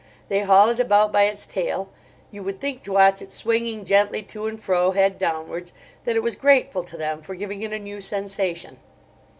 They haul it about by its tail. You would think, to watch it swinging gently to and fro head downwards, that it was grateful to them for giving it a new sensation.